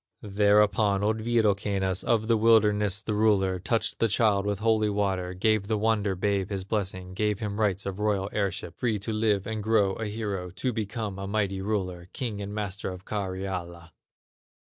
Thereupon old Wirokannas, Of the wilderness the ruler, Touched the child with holy water, Gave the wonder babe his blessing, Gave him rights of royal heirship, Free to live and grow a hero, To become a mighty ruler, King and Master of Karyala.